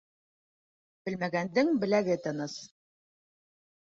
Белмәгәндең беләге тыныс